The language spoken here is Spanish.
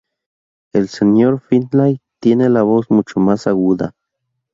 El señor Findlay tiene la voz mucho más aguda.